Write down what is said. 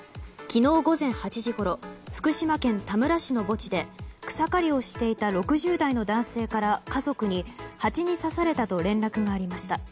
昨日午前８時ごろ福島県田村市の墓地で草刈りをしていた６０代の男性から家族にハチに刺されたと連絡がありました。